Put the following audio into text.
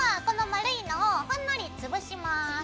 この丸いのをほんのり潰します。